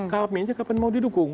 kami ini kapan mau didukung